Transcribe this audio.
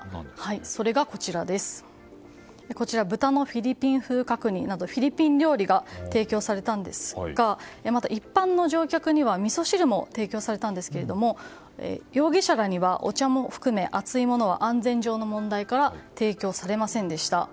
それがこちらの豚のフィリピン風角煮などフィリピン料理が提供されたんですが一般の乗客にはみそ汁も提供されたんですけど容疑者らにはお茶も含め熱いものは安全上の問題から提供されませんでした。